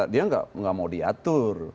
dia nggak mau diatur